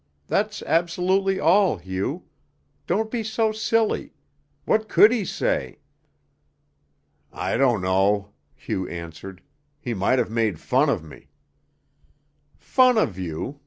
That's absolutely all, Hugh. Don't be so silly. What could he say?" "I don't know," Hugh answered. "He might have made fun of me." "Fun of you!